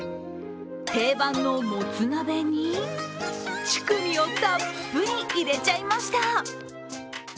定番のもつ鍋に、チュクミをたっぷり入れちゃいました。